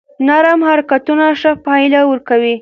نرم حرکتونه ښه پایله ورکوي.